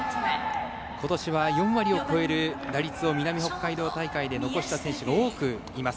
ことしは４割を超える打率を南北海道大会で残した選手が多くいます。